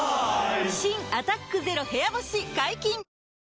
新「アタックＺＥＲＯ部屋干し」解禁‼